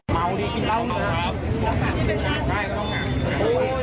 พี่ต่อไม่เห็นเลย